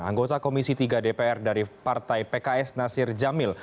anggota komisi tiga dpr dari partai pks nasir jamil